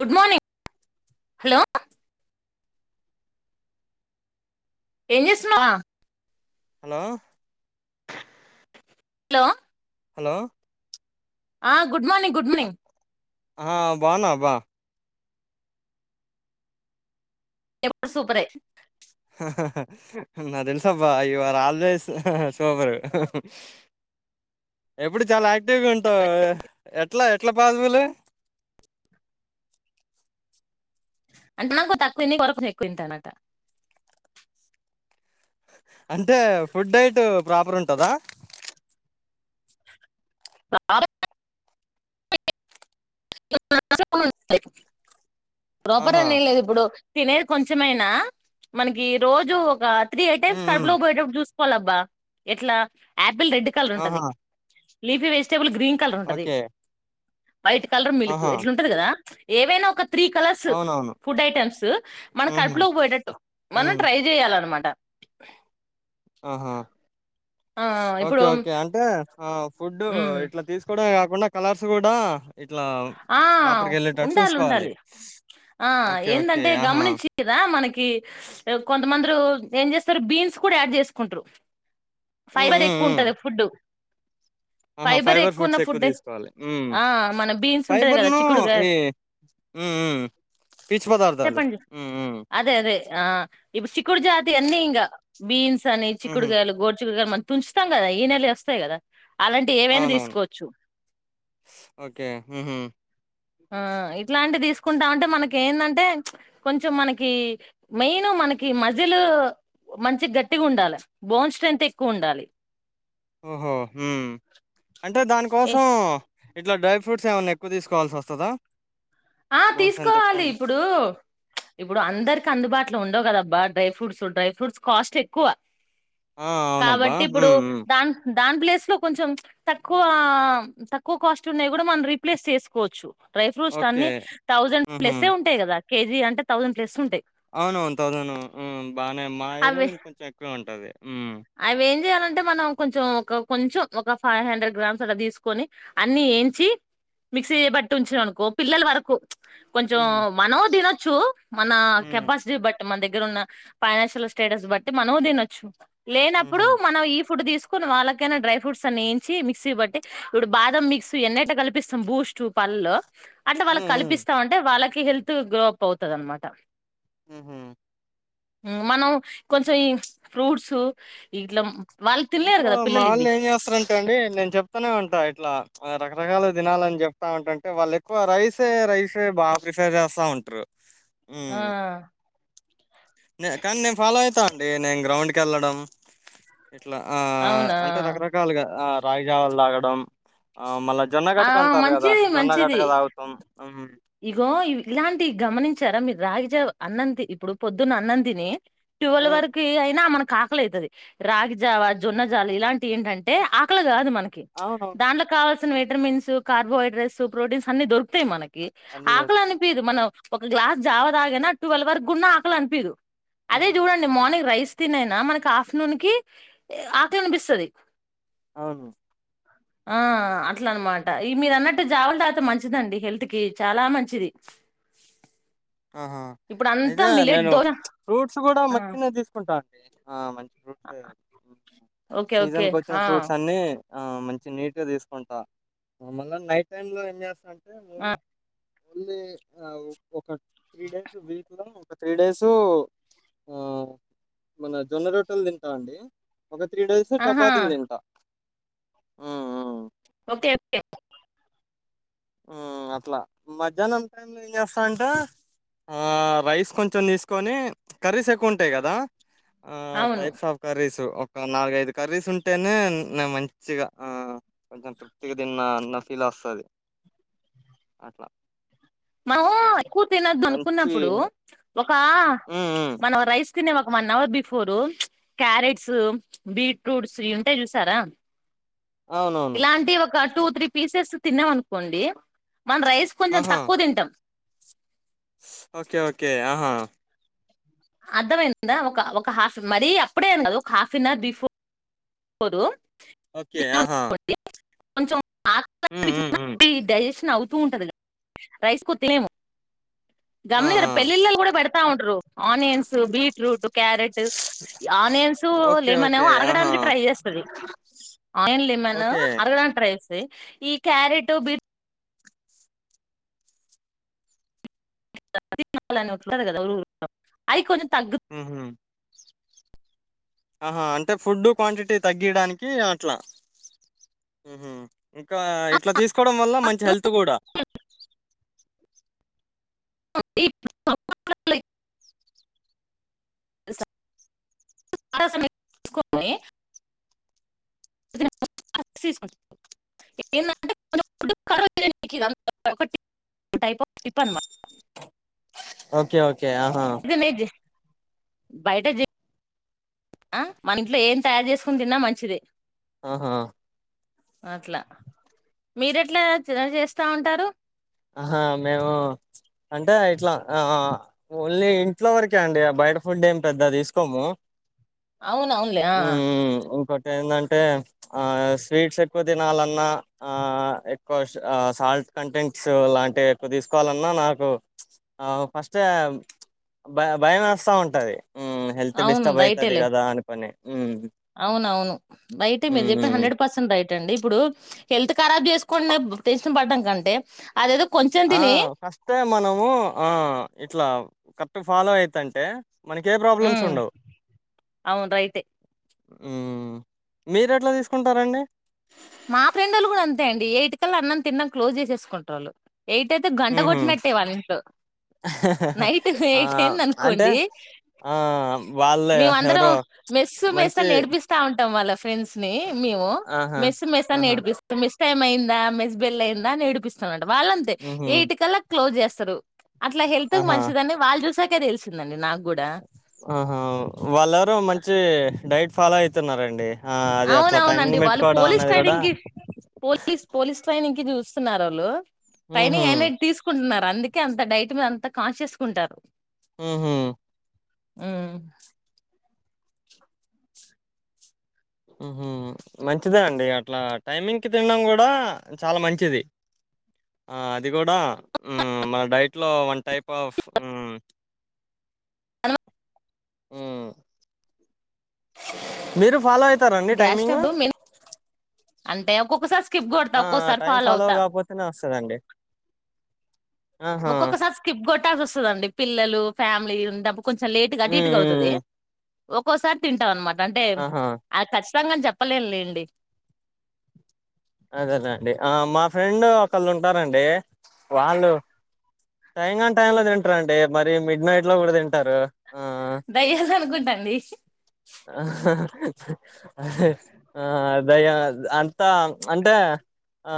Good morning hello ఏం చేస్తున్నావా hello hello hello ఆ గుడ్ మార్నింగ్ గుడ్మినింగ్ ఆ బావున్నవ బా ఎప్పుడు సూపరే నా తెలుసబ్బా యూ ఆర్ ఆల్వేస్ సూపర్ ఎప్పుడు చాలా ఆక్ టివ్గుంటవ్ ఎ ఎట్లా ఎట్లా పాజిబులి అంటే నాకు తక్కువంది కొరకు ఎక్కువంత తిన్నటానట అంటే ఫుడ్ డైట్ ప్రాపర్ ఉంటదా స [unintelligible] [unintelligible] రూపరా ఆహా అని ఏం లేదు ఇప్పుడు తినేది కొంచమైనా మనకి రోజు ఒక త్రీ ఐటైమ్స్ ఉమ్ కడుపు ఉమ్. లో బోయేటప్పుడు చూస్ పలబ్బా ఎట్లా యక్ పిల్ రెడ్ కలర్ ఉంటది ఆహా leafy vegetable green colour ఉంటది ఓకే మాయితే కలర్ మిల్క్ ఆహా ఎట్లా ఉంటది కదా ఏవైనా ఒక త్రీ కలర్స్ అవునవును ఫుడ్ ఐటమ్స్ మన ఉహు కడుపులోకి పోయేటట్టు మనం ఉమ్ ట్రై చేయాలన్నమా క్క ఆహా హిస్ ఇప్పుడు ఓకే ఓకే అంటే ఆ ఫుడ్ మ్, ఇట్లా తీసుకోడం ఉన్న కలర్స్ గూడా ఆ ఉండాలి చూసుకోవాలి ఉండాలి ఆ ఓకే ఓకే ఏందంటే ఆహా గమనించింరా మనకి ష్ కొంతమందురు ఏం చేస్తారు బీన్స్ కూడా యాడ్ చేసుకుంట్రూ ఉమ్ ఫైబర్ ఉమ్ ఉమ్ ఎక్కువుంటది ఫుడు ఆహా! ఫైబర్ ఎక్కువున్న ఫుడ్స్ ఎక్కువ ఫుడ్ తీసుకోవాలి. హ్మ్. ఆ మన బీన్స్ టుంటది కదా ఫైబర్‌ను చిక్కుడుగాయ్ ఈ హ్మ్. హ్మ్. పీచు పదార్థాలు. చెప్పండి హ్మ్. హ్మ్. అదే అదే ఆ ఇప్పుడు సిక్కుడు జాతి అన్నీ ఇంగా బీన్స్ తని హుహు. చిక్కుడుగాయలు గోరుచిక్కుడుగాయలు తుంచుతాంగదా ఈనెలు వస్తాయి గదా అవునవును ఓకే ఉహూమ్ ఆ ఇట్లాంటివి తీసుకుంటా ఉంటే మనకి ఏందంటే మ్చ్ కొంచెం మనకి మెయిన్ మనకి మజిలు మంచిగ గట్టిగా ఉండాలే బోన్ స్ట్రెంత్ ఎక్కువ ఉండాలి ఓహో మ్ అంటే దానిక్ ఏ కోసం ఇట్లా డ్రై ఫ్రూట్స్ ఏవన్నా ఎక్కువ తీసుకోవాల్సి వస్తదా ఆ తీసుకోవాలి ఇప్పుడు మ్చ్ ఇప్పుడు అందరికి అందుబాటల ట్లో ఉండవు కదబ్బా dry fruits dry fruits cost ఎక్కువ ఆ! అవునబ్బా! కాబట్టి ఇప్పుడు హ్మ్. హ్మ్. దాన్ దాని ప్లేస్ లో కొంచెం తక్కువ తక్కువ కాస్టూ ఉన్నాయి కూడా మనం రీప్లేస్ చేసుకోవచ్చు dry fruits okay. Twenty thousand హుహు. ప్లస్సే ఉంటాయి కదా కేజీ అంటే థౌజండ్ ప్లస్ ఉంటాయి అవునవును థౌసను ఉ బానే మా అవి ఏరియాలో ఇంకొంచెం ఎక్కువ ఉంటది ఉ అంటే మనం కొంచెం ఒక కొంచెం ఒక ఫైవ్ హండ్రెడ్ గ్రామ్స్ అలా తీసుకొని అన్ని ఏంచి మిక్సీ బట్టి ఉంచినవు అనుకో పిల్లల వరకు కొంచం హుహు. మనం దినచ్చు చూ మన హ్మ్. కెపాసిటీ బట్టి అంటే మన దగ్గర ఉన్న ఫైనాన్షియల్ స్టేటస్ బట్టి మనం తినొచ్చు లేనప్పుడు హుహు. మనం ఈ ఫుడ్ తీసుకు కొన్ని వాళ్ళకైనా డ్రై ఫ్రూట్స్ అని వేయించి మిక్సీ బట్టి ఇప్పుడు బాదం మిక్స్ ఎన్నైట కపిస్తాం బూస్ట్ పళ్ళు అట్లా హ్మ్. వాళ్ళకు హ్మ్. కల్పిస్తా అంటే వాళ్ళకి కి హెల్త్ గ్రో అప్ అవుతది అనమాట ఉహా మనం కొంచెం ఈ ఫ్రూట్స్ ఇట్లా వాళ్ళు తినలేరు ఇంట్లో కదా మా పిల్లలు ఇవి వాళ్ళు ఏం చేస్తారంటే అండి నేను చెప్తానే ఉంటా ఇట్లా రకరకాల దినాలని చెప్తా ఉంటంటే వాళ్ళు ఎక్కువ రైసే రైస్ బాగా ప్రిఫెర్ చేస్తా ఉంటారు ఆ హ్మ్ నే కానీ నేను ఫాలో అయితా అండి నేను గ్రౌండ్ కి కెళ్ళడం ఇట్లా ఆ అవునా అంటే రకరకాలుగా ఆ రాయి జావలు తాగడం ఆ మళ్ళా ఆ జొన్నగట్టక అంటారు కదా మంచిది జొన్న మంచిది గటక తాగుతాం ఇగో ఇవి ఇలాంటివి గమనించారా మీరు రాగి జావ్ అన్నం తిని ఇప్పుడు పొద్దున్న అన్నంతిని ట్వెవల్ హ్మ్ వరకు అయినా ఇక మనకు కాకలయితది రాగిజావ, జొన్నజాలు ఇలాంటి ఏంటంటే ఆకలి కాదు మనకు నకి అవునవును దాంట్లో కావలసిన సీన్ విటర్మిన్స్, కార్బోహైడ్రేట్స్, ప్రోటీన్స్ అన్ని దొరూకుతాయి ఏమో అన్ని ఆకలి దొరుకుతాయి. అనిపిదు మనం ఒక గ్లాస్ జావ తాగనా ట్వెల్వ్ వరకు గున్న ఆకలి అనిపిదు అదే హ్మ్ చూడండి మార్నింగ్ రైస్ తినైనా మనకి ఆఫ్టర్నూన్ కి ఆకలి అనిపిస్తది అవును ఆ అట్ల అనమాట ఈ మీరు అన్నట్టు జావల తాగితే మంచిదండి హెల్త్ కి చాలా మంచిది ఆహా ఇప్పుడంతా అయితే మిల్లెట్ నేను దోశ ఫ్రూట్స్ కూడా ఆ! మంచిగానే తీసుకుంటాను అండి ఆ మ ఓకే ఓకే ఆ ఆ మంచి నీట్ గా తీసుకుంటా మళ్ళా నైట్ టైమ్ లో ఏం చేస్తాంట ఆ ఓన్లీ ఆ ఒక త్రీ డేస్ వీక్ లో ఒక త్రీ డేసు మన జొన్న రోటలు తింటాం అండి ఒక త్రీ డేస్ ఆహా! చపాతి తింట ఉమ్ ఉమ్ ఓకేే ఓకే ఉమ్ అట్లా మధ్యాహ్నం టైంలో ఏం చేస్తా అంటే ఆ రైస్ కొంచెం తీసుకొని కర్రీస్ ఎక్కువ ఉంటాయి కదా ఆ అవును. టైప్స్ ఆఫ్ కర్రీస్ ఒక నాలుగైదు కర్రీస్ ఉంటేనే నేను మంచిగా ఆ కొంచెం తృప్తిగా తిన్నా అన్న ఫీల్ వస్తుంది అట్లా మావోయి కూవ తినదు మంచి అనుకున్నప్పుడు హ్మ్ హ్మ్ మనవ రైస్ తినేవా one hour before carrots beetroots ఇవి ఉంటాయి చూసారా అవునవును ఇలాంటి ఒక టూ త్రీ పీసెస్ తిన్నాం, అనుకోండి మన రైస్ కొంచెం ఆహా తక్ తినటం ఓకే ఓకే ఆహా అర్థమైందా ఒక ఒక హాఫ్ మరీ అప్పుడే అ కాదు ఒక హాఫ్ అన్ అవర్ బిఫోర్, పోరు ఓకే ఆహా కొంచం హ్మ్ హ్మ్ [unintelligible] హ్మ్ డైజెషన్ అవుతూ ఉంటంది. రైస్ ఎక్కువ తినలేదు ఆ! గమనిర ఆ! పెళ్ళల్లలు, కూడా పెడతా ఉంట్రు onions, beetroot carrot onions, okay lemon okay ఏమో ఆహా! అరగడానికి ట్రై చేస్తది. Onion, lemon okay. అరగడానికి ట్రై చేస్తుంది. ఎస్ ఈ క్యారెట్ బి [inaudible] ఊహు ఆహా అంటే ఫుడ్డు క్వాంటిటీ తగ్గియడానికి, అట్లా ఇంకా ఇట్లా తీసుకోవడం వల్ల మంచి హెల్త్ కూడా తీసుకని [inaudible] టిప్ అనమాట ఓకే ఓకే ఆహా ఇది నేను బయట జ ఆ మన ఇంట్లో ఏం తయారు చేసుకుని తిన్నా మంచిదే ఆహా అట్లా మీరు ఎట్లా చే చేస్తా ఉంటారు. ఆహా మేము అంటే ఇట్లా ఆ ఓన్లీ ఇంట్లో వరకే అండి బయట ఫుడ్ ఏమి పెద్దగ తీసుకోము. అవును అవునులే ఆ ఏంటంటే ఆ స్వీట్స్ ఎక్కువ తినాలన్నా ఆ ఎక్కువ సా సాల్ట్ కంటెంట్ సో ఇలాంటివి ఎక్కువ తీసుకోవాలన్నా నాకు ఆ ఫస్టే భయ భయమేస్తా ఉంటాది మ్ హెల్త్ డిస్టర్బ్ అయితది కదా అనుకొని అవునవును రైటే మీరు చెప్పింది ఉమ్ హండ్రెడ్ పర్సెంట్ రైట్ కండి ఇప్పుడు హెల్త్ కరాబ్ చేసుకోండా టెన్షన్ పడ్డం కంటే అదేదో కొంచెం ఆ తిని ఫస్టే మనము ఆ ఇట్లా కరెక్ట్ ఫాలో అయితంటే, మనకి ఏ ప్రాబ్లమ్స్ ఉమ్, ఉండవు అవును రైటే మ్మ్ మీరు ఎట్లా తీసుకుంటారంండి మా ఫ్రెండోల్లు కూడా అంతే అండి ఎయిట్ కల్లా అన్నం తిినడం క్లోజ్ చేసేసుకుంటారు వాళ్ళు ఎయిట్ అయితే గంట ఉహు కొట్టినట్టే వాల్ల ఇంట్లో నైట్ ఆ! ఎయిట్ అయింది అంటే అనుకోండి ఆ! వాళ్ళే మేము అందరం ఎవరో మెస్ మెస్ మంచి అని ఏడిపిస్తా ఉంటాం వాళ్ళ ఫ్రెండ్స్ ని మేము ఆహా! మెస్ మెస్ అని ఆహా! నేడిపిస్త టైమ్ అయిందా మెస్ బెల్ అయింద అని ఏడిపిస్తాం వాళ్లు అంతే హుహు. ఎయిట్ కల్ల క్లోజ్ చేస్తరు అట్లా హెల్త్ కు ఆహా! మంచిదని వాళ్ళు చూసాక్ తెలిసిందండి నాకు కూడా ఆహా వాళ్ళెవరో మంచి డైట్ ఫాలాయితే. చెతున్నారండి ఆ అది అట్లా అవునవునండి టైమింగ్ వాళ్ళు పెట్టుకోవడం పోలీస్ అన్నది కూడా. ట్రైనింగ్ కి పోలీస్ పోలీస్ ట్రైనింగ్ చూస్తున్నారు వాళ్ళు. టైనింగ్ అయిన ఇడ్ తీసుకుంటున్నారు అందుకే అంత డైట్ మీద అంత కాన్షియస్ కు ఉంటారు. ఉమ్ హు ఉమ్ ఉమ్ హు మంచిదే అండి అట్లా టైమింగ్కి తినడం కూడా చాలా మంచిది అది కూడా మన డైట్లో వన్ టైప్ ఆఫ్. ఉమ్ మీరు ఫాలో అయిత్ చెతారంండి గ్యాస్ టైమింగ్ ట్రబుల్ మెయిన్ అంటే ఒక్కొక్కసారి స్కిప్ కొడతా ఆ ఒక్కోసారి టైమ్ ఫాలో అవుతా కాపోతేనే వస్తందండి ఒక్కొక్కసారి స్కిప్ కొట్టాల్సి వస్తుందండి పిల్లలు ఫ్యామిలీలి ఇప్పు కొంచెం లేటుగా హ్మ్ అటుఇటుగా అవుతుంది హ్మ్ ఒక్కోసారి తింటాం అనమాట అంటే ఆహా ఆ కశ్ కచ్చితంగా అని చెప్పలేను లెండి అదేనండి ఆ మా ఫ్రెండ్ ఒకళ్ళు ఉంటారండి వాళ్ళు టైంగా టై లో తింటారంండి మరి మిడ్ నైట్ లో కూడా తింటారు ఆ డీహ్ ఆహా హా ఆ అ దయా అంతా అంటే ఆ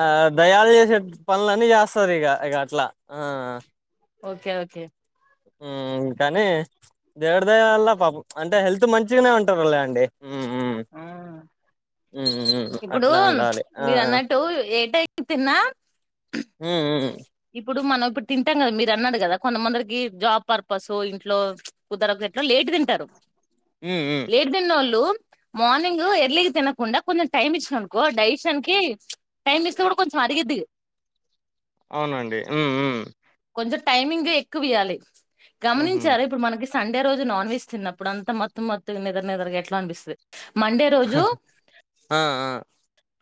ఆ దయాలు చేసే పనులన్నీ చేస్తారు ఇక ఇక అట్లా ఆ ఆ ఓకే ఓకే ఉమ్ కానీ దేవుడిదాయ వల్ల పాపం అంటే హెల్త్ మంచిగానే ఉంటారులే అండి హ్మ్ హ్మ్ ఉమ్ హ్మ్ హ్మ్ ఇప్పుడు అట్లా ఉండాలి ఆ మీరు ఆ! అన్నట్టు ఏట్యి తిన్నా హ్మ్ హ్మ్ ఇప్పుడు మనం ఇప్పుడు తింటాం కదా మీరు అన్నాడు కదా కొంతమందిరికి జాబ్ పర్పస్ ఇంట్లో కుదర ఎట్లా లేటు తింటారు హ్మ్ హ్మ్ లేట్ తినొల్లు మార్నింగ్ ఎర్లీకి తినకుండా కొంచెం టైమ్ ఇచ్చా అనుకో డైషన్ క టైమ్ ఇస్తే కూడా కొంచెం అరిగద్ది అవునండి ఉమ్ హూ టైమంగ్ ఎక్కువ ఇయలి హుహు. గమనించారా ఇప్పుడు మనకి సండే రోజు నాన్వెజ్ తిన్నప్పుడు అంత మత్తు మత్తుగా నిద్ర నిద్రగా ఎట్లో అనిపిస్తది మండే రోజు అహ్ ఆ ఆ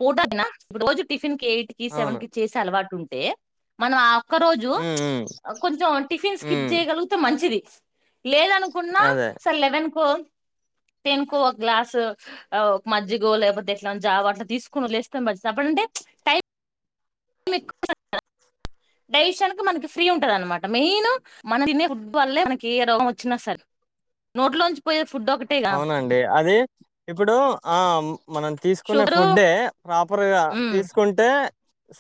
ఊటకిన రోజు టిఫిన్ కేయిట్ కి అవును. సెవన్ కి చేసే అలవాటు టె మనం ఆవ్ ఒక రోజు హ్మ్. హ్మ్. కొంచెం టిఫిన్ స్కిప్ హ్మ్. చేయగలిగితే మంచిది సీ లేదనుకున్నా అదే. అసల లెవెన్కో తనుకు ఒక గ్లాస్ ఒక మంజిగో లేకపోతే అట్లానో జావా నో అ తీసుకుొళ్ుస్తాం మ చెప్పడడంంటే టై [inaudible] డైషనకి మనకి ఫ్రీ ఉంటది అనమాట మెయిన్ మన తిన ఫుట్బాల్ మనకి ఏ రోం వచ్చినా సరే నోట్లోంచి పోయే ఫుడ్ ఒకటేగా అవునండి అది ఇప్పుడు ఆ మనం తీసుకునే షుగరు ఫుడ్డే ప్రాపర్గా ఉమ్ తీసుకుంటే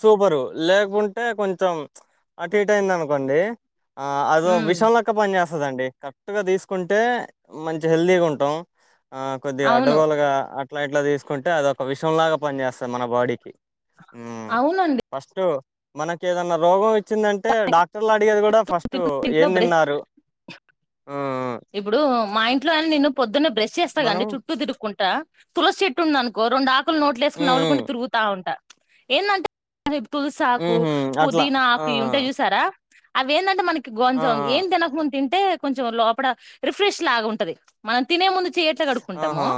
సూపరు లేకుంటే కొంచెం అటు ఇట్ అయింది అనుకోండి ఆ అదో ఉమ్ విషాంలాక్క పని చేస్త అందే కరెక్ట్ గా తీసుకుంటే మంచి హెల్దీగా ఉంటుంది ట ఆ కొద్ది అవును అడ్డగోలుగా అట్లైట్లా తీసుకుంటే అది ఒక విషయం లాగా పని చేేస్తంది మన బాడీకి ఉమ్ అవునండి ఫస్ట్ మనకి ఏదన్నా రోగం వచ్చింది అంటే డాక్ అడిగేది కూడా ఫస్ట్ తిరుపతి ఇంట్లో ఏం బ్రె తిన్నారు ఇప్పుడు మా ఇంట్లో అ నిన్ను పొద్దు బ్రష్ చేస్తాం మనం చుట్ూ తిక్కుం కుంట తులసిీటు అనుకో రెండు ఆక్ నోట్లుేసుకుని ఉమ్ నవలుకుంటూ ఉమ్ తరుగుతా ఉంటా ఏందీ అంటే అదే తులస ఆకు ఉహు అట్లా ఆ పుదీనాకు ఇవి ఉంటయి చూసారా అవి ఏంటంటే మనకి ఆ ఆ గోంజాంగ్ ఏన్ తనక ముందు తింటే కొంచెం లోపల రిఫ్రెష్ లాగా ఉంటది మనం తినే ముందు చెయ్ ఎట్లకాడుకుంటామో ఆహా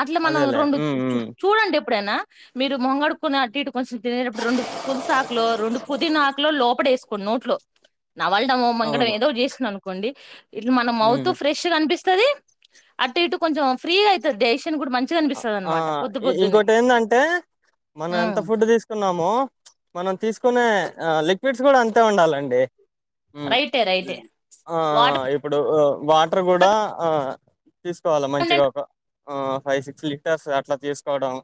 అట్లా మనం అదేలే రొండు ఉమ్ ఉమ్ చూడండి అప్పుడేనా మీరు మొహం కడుక్కున్నాక అటు ఇటు కొంచెం తినేటప్పుడు రెండు తులి సాకులో రెండు పుదీనా ఆకు లోపల వేసుకోండి నోట్లో నమలడమో మింగడం అవును ఏదో ఒకటి చేస్తుంనాను కోండి ఇట్లా మన మౌత్ ఉమ్ ఫ్రెష్ గా అనిపిస్తది ది అటు ఇటు కొంచెం ఫ్రీగా అయితది దేష్ ఆ ఇంకోొటి ఏందంటే మనం ఎంత ఫుడ్ తీసుకున్నామో మనం తీసు చూసుకునే లిక్విడ్స్ కూడా అంతే ఉండాలండి రైటే రైటే ఆ వాటర్ ఇప్పుడు ఇప్పుడు వాటర్ కూడా ఆ తీసుకోవాలా మంచిగా కంటెంట్ ఒక ఆ ఫైవ్ సిక్స్ లీటర్స్ అట్లా తీసు తీసుకోడం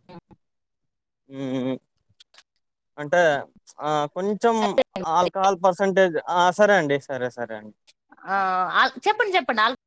ఉమ్ అంటే ఆ కొంచెం ఆల్కహాల్ పర్సంటేజ్ ఆ సరే అండి సరే సరే అండి ఆ చెప్పండి చెప్పండి ఆల్కహాల్